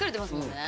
ね